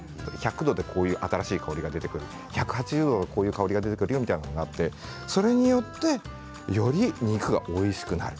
１００度で新しい香りが出てくる１８０度でこういう香りが出てくるということでそれによってより肉がおいしくなる。